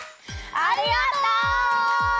ありがとう！